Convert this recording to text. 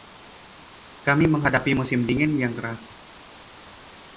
Kami menghadapi musim dingin yang keras.